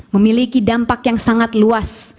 memiliki dampak yang sangat luas